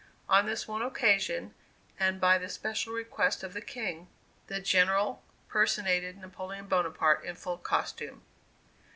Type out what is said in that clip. On this one occasion, and by the special request of the King, the General personated Napoleon Bonaparte in full costume.